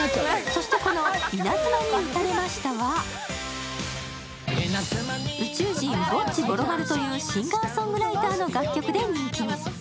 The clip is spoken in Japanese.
そしてこの「稲妻に打たれました」は宇宙人・ぼっちぼろまるというシンガーソングライターの楽曲で人気に。